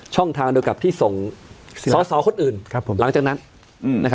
ทางเดียวกับที่ส่งสอสอคนอื่นหลังจากนั้น